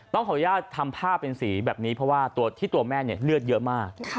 ต้องขออนุญาตทำผ้าเป็นสีแบบนี้เพราะว่าที่ตัวแม่เนี่ยเลือดเยอะมาก